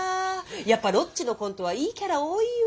やっぱロッチのコントはいいキャラ多いわ。